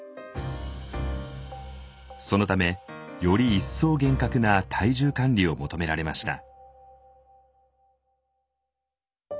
そのためより一層厳格な体重管理を求められました。